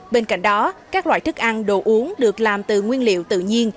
bên cạnh đó các loại thức ăn đồ uống được làm từ nguyên liệu tự nhiên